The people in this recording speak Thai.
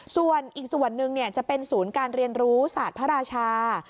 ส่วนอีกส่วนหนึ่งจะเป็นศูนย์การเรียนรู้ศาสตร์พระราชา